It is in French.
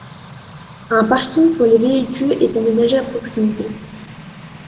Un parking pour les véhicules est aménagé à proximité.